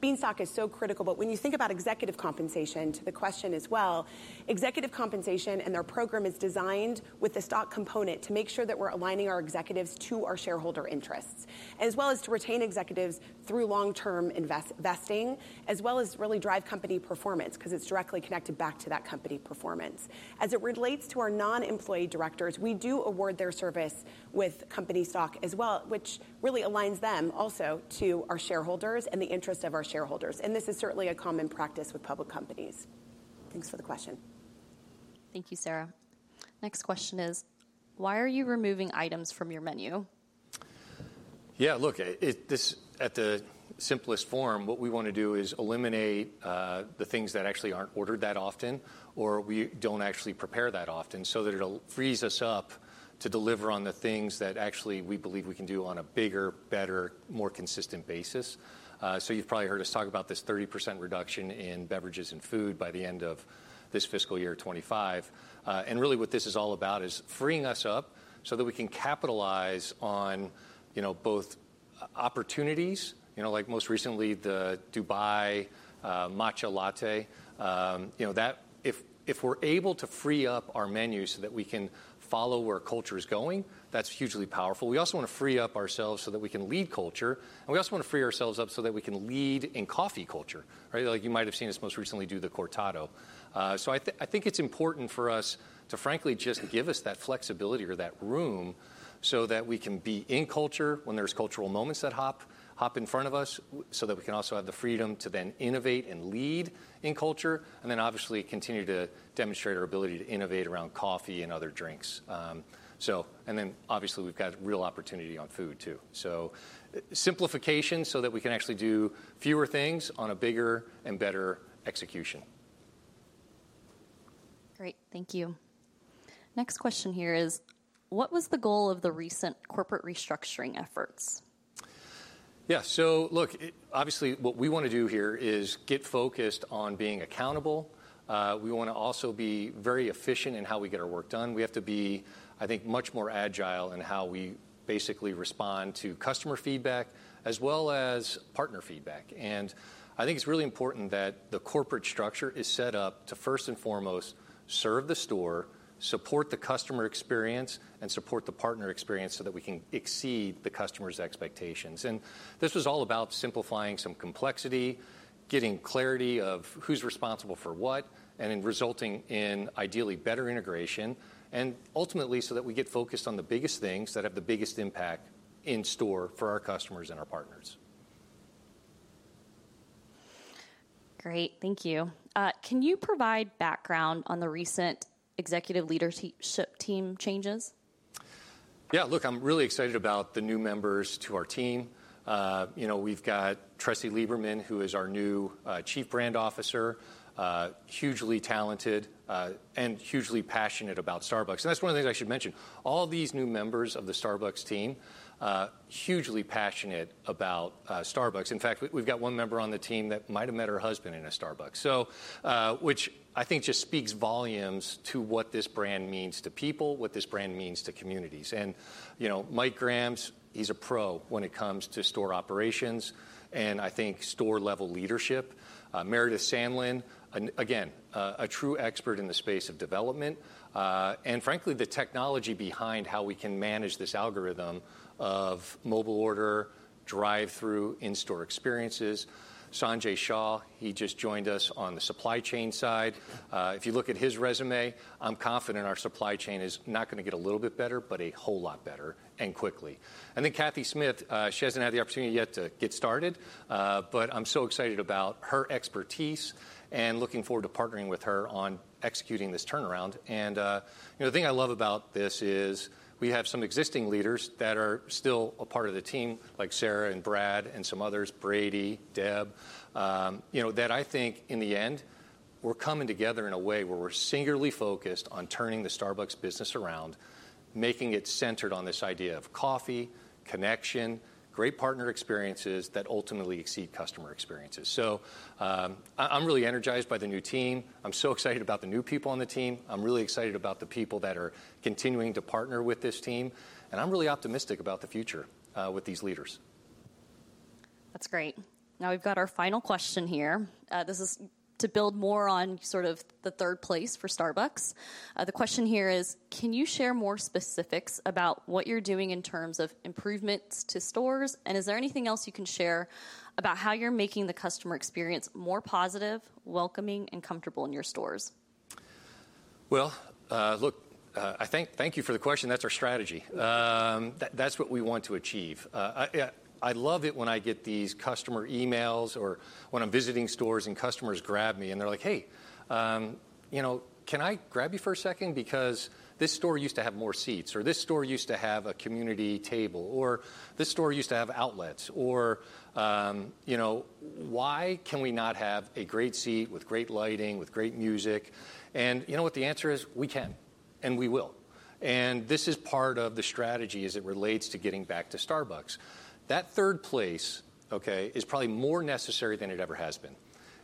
Bean Stock is so critical. When you think about executive compensation, to the question as well, executive compensation and their program is designed with the stock component to make sure that we are aligning our executives to our shareholder interests, as well as to retain executives through long-term investing, as well as really drive company performance because it is directly connected back to that company performance. As it relates to our non-employee directors, we do award their service with company stock as well, which really aligns them also to our shareholders and the interest of our shareholders. This is certainly a common practice with public companies. Thanks for the question. Thank you, Sara. Next question is, why are you removing items from your menu? Yeah, look, at the simplest form, what we want to do is eliminate the things that actually aren't ordered that often or we don't actually prepare that often so that it'll free us up to deliver on the things that actually we believe we can do on a bigger, better, more consistent basis. You've probably heard us talk about this 30% reduction in beverages and food by the end of this fiscal year 2025. Really what this is all about is freeing us up so that we can capitalize on both opportunities, like most recently, the Dubai Matcha Latte, that if we're able to free up our menus so that we can follow where culture is going, that's hugely powerful. We also want to free up ourselves so that we can lead culture. We also want to free ourselves up so that we can lead in coffee culture, right? Like you might have seen us most recently do the cortado. I think it's important for us to frankly just give us that flexibility or that room so that we can be in culture when there's cultural moments that hop in front of us so that we can also have the freedom to then innovate and lead in culture. Obviously, continue to demonstrate our ability to innovate around coffee and other drinks. Obviously, we've got real opportunity on food too. Simplification so that we can actually do fewer things on a bigger and better execution. Great. Thank you. Next question here is, what was the goal of the recent corporate restructuring efforts? Yeah. Look, obviously what we want to do here is get focused on being accountable. We want to also be very efficient in how we get our work done. We have to be, I think, much more agile in how we basically respond to customer feedback as well as partner feedback. I think it's really important that the corporate structure is set up to first and foremost serve the store, support the customer experience, and support the partner experience so that we can exceed the customer's expectations. This was all about simplifying some complexity, getting clarity of who's responsible for what, and then resulting in ideally better integration, and ultimately so that we get focused on the biggest things that have the biggest impact in store for our customers and our partners. Great. Thank you. Can you provide background on the recent executive leadership team changes? Yeah. Look, I'm really excited about the new members to our team. We've got Tressie Lieberman, who is our new Chief Brand Officer, hugely talented and hugely passionate about Starbucks. That's one of the things I should mention. All these new members of the Starbucks team, hugely passionate about Starbucks. In fact, we've got one member on the team that might have met her husband in a Starbucks, which I think just speaks volumes to what this brand means to people, what this brand means to communities. Mike Grams is a pro when it comes to store operations and I think store-level leadership. Meredith Sandland, again, a true expert in the space of development. Frankly, the technology behind how we can manage this algorithm of mobile order, drive-thru, and in-store experiences. Sanjay Shah he just joined us on the supply chain side. If you look at his resume, I'm confident our supply chain is not going to get a little bit better, but a whole lot better and quickly. Cathy Smith hasn't had the opportunity yet to get started, but I'm so excited about her expertise and looking forward to partnering with her on executing this turnaround. The thing I love about this is we have some existing leaders that are still a part of the team, like Sara and Brad and some others, Brady, Deb, that I think in the end, we're coming together in a way where we're singularly focused on turning the Starbucks business around, making it centered on this idea of coffee, connection, great partner experiences that ultimately exceed customer experiences. I'm really energized by the new team. I'm so excited about the new people on the team. I'm really excited about the people that are continuing to partner with this team. I'm really optimistic about the future with these leaders. That's great. Now we've got our final question here. This is to build more on sort of the Third Place for Starbucks. The question here is, can you share more specifics about what you're doing in terms of improvements to stores? Is there anything else you can share about how you're making the customer experience more positive, welcoming, and comfortable in your stores? Thank you for the question. That's our strategy. That's what we want to achieve. I love it when I get these customer emails or when I'm visiting stores and customers grab me and they're like, "Hey, can I grab you for a second because this store used to have more seats," or, "This store used to have a community table," or, "This store used to have outlets," or, "Why can we not have a great seat with great lighting, with great music?" You know what the answer is? We can. We will. This is part of the strategy as it relates to getting Back to Starbucks. That Third Place is probably more necessary than it ever has been.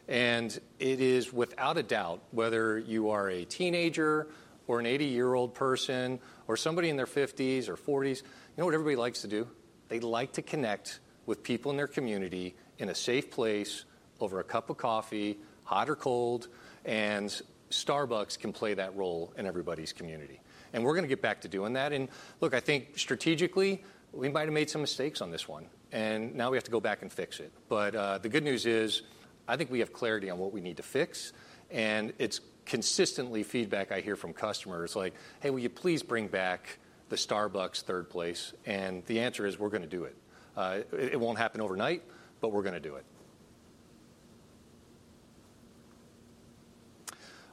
It is without a doubt whether you are a teenager or an 80-year-old person or somebody in their 50s or 40s, you know what everybody likes to do? They like to connect with people in their community in a safe place over a cup of coffee, hot or cold, and Starbucks can play that role in everybody's community. We are going to get back to doing that. Look, I think strategically, we might have made some mistakes on this one. Now we have to go back and fix it. The good news is I think we have clarity on what we need to fix. It is consistently feedback I hear from customers like, "Hey, will you please bring back the Starbucks Third Place?" The answer is we are going to do it. It will not happen overnight, but we are going to do it.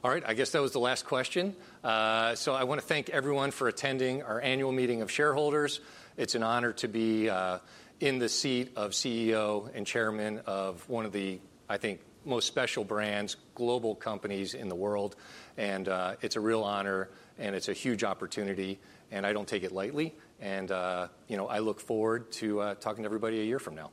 All right. I guess that was the last question. I want to thank everyone for attending our Annual Meeting of Shareholders. It's an honor to be in the seat of CEO and chairman of one of the, I think, most special brands, global companies in the world. It's a real honor, and it's a huge opportunity, and I don't take it lightly. I look forward to talking to everybody a year from now.